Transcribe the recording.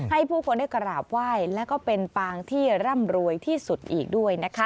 ให้ผู้คนได้กราบไหว้แล้วก็เป็นปางที่ร่ำรวยที่สุดอีกด้วยนะคะ